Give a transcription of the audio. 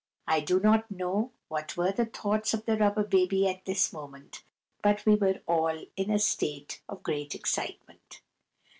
I do not know what were the thoughts of the Rubber Baby at this moment, but we were all in a state of great excitement.